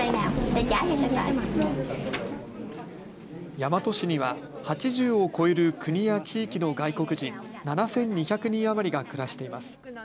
大和市には８０を超える国や地域の外国人７２００人余りが暮らしています。